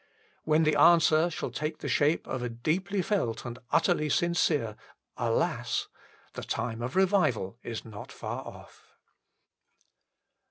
" When the answer shall take the shape of a deeply felt and utterly sincere Alas ! the time of revival is not far off.